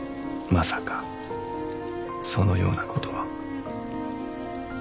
まさかそのようなことは。